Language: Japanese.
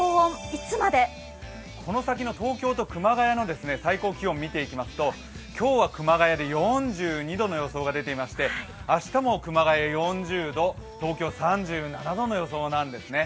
この先の東京と熊谷の最高気温を見ていきますと今日は、熊谷で４２度の予想が出ていまして、明日も熊谷４０度、東京は３７度の予想なんですね。